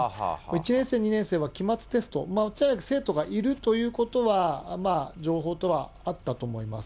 １年生、２年生は期末テスト、恐らく生徒がいるということは、情報等はあったと思います。